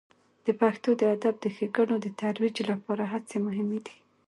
د پښتو د ادب د ښیګڼو د ترویج لپاره هڅې مهمې دي.